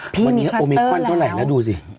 พี่มีคลัสเตอร์แล้ววันนี้โอเมกวันเท่าไหร่แล้วดูสิ